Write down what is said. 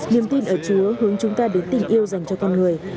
niềm tin ở chùa hướng chúng ta đến tình yêu dành cho con người